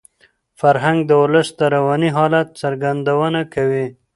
فرهنګ د ولس د رواني حالت څرګندونه کوي.